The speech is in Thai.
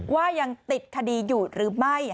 ว่ายังติดคดีอยู่หรือไม่